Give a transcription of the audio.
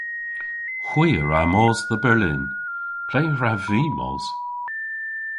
Hwi a wra mos dhe Berlin. Ple hwrav vy mos?